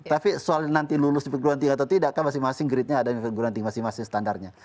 tapi soal nanti lulus di perguruan tinggi atau tidak kan masing masing grade nya ada di perguruan tinggi masing masing standarnya